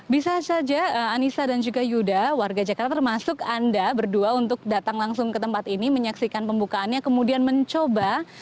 bisa saja anissa dan juga yuda warga jakarta termasuk anda berdua untuk datang langsung ke tempat ini menyaksikan pembukaannya kemudian mencoba